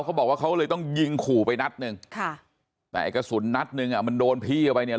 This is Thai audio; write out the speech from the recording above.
เขาบอกว่าเขาเลยต้องยิงขู่ไปนัดหนึ่งค่ะแต่ไอ้กระสุนนัดหนึ่งอ่ะมันโดนพี่เข้าไปเนี่ย